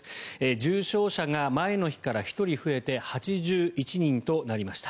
重症者が前の日から１人増えて８１人となりました。